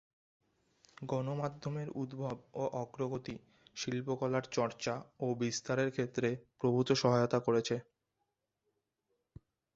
গণমাধ্যমের উদ্ভব ও অগ্রগতি শিল্পকলার চর্চা ও বিস্তারের ক্ষেত্রে প্রভূত সহায়তা করছে।